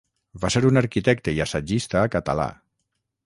Va ser un arquitecte i assagista català.